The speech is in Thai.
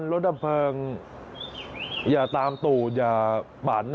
จะรับผิดชอบกับความเสียหายที่เกิดขึ้น